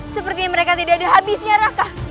seperti mereka tidak ada habisnya raka